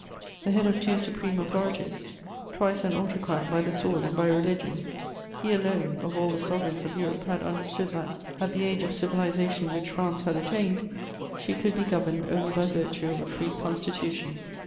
The head of two supreme authorities, twice an autocrat by the sword and by religion, he alone, of all the sovereigns of Europe, had understood that, at the age of civilization which France had attained, she could be governed only by virtue of a free constitution.